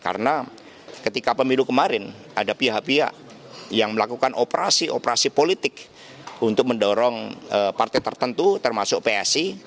karena ketika pemilu kemarin ada pihak pihak yang melakukan operasi operasi politik untuk mendorong partai tertentu termasuk psi